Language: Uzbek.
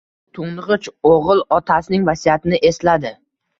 Toʻngʻich oʻgʻil otasining vasiyatini esladi.